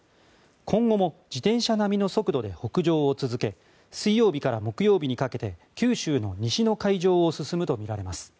今後も自転車並みの速度で北上を続け水曜日から木曜日にかけて九州の西の海上を進むとみられます。